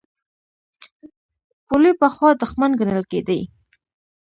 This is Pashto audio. پولې پخوا دښمن ګڼل کېدې.